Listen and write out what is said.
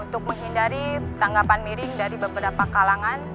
untuk menghindari tanggapan miring dari beberapa kalangan